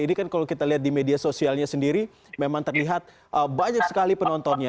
ini kan kalau kita lihat di media sosialnya sendiri memang terlihat banyak sekali penontonnya